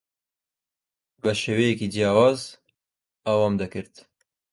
بە شێوەیەکی جیاواز ئەوەم دەکرد.